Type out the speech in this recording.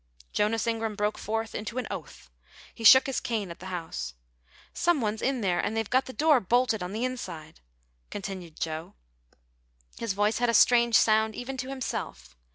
_" Jonas Ingram broke forth into an oath. He shook his cane at the house. "Some one's in there, and they've got the door bolted on the inside," continued Joe. His voice had a strange sound even to himself.